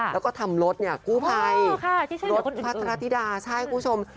แล้วก็ทำรถกู้ไพรรถพัฒนาธิดาใช่คุณผู้ชม